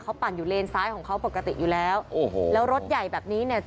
เขาปั่นอยู่เลนซ้ายของเขาปกติอยู่แล้วโอ้โหแล้วรถใหญ่แบบนี้เนี่ย